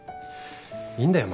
いいんだよ